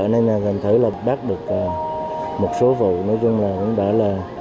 nên là thành thử là bắt được một số vụ nói chung là cũng đã là